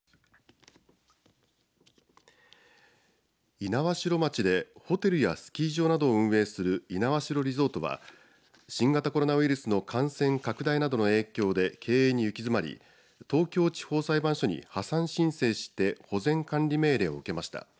猪苗代町でホテルやスキー場などを運営する猪苗代リゾートは新型コロナウイルスの感染拡大などで経営に行き詰まり東京地方裁判所に破産申請して保全管理命令を受けました。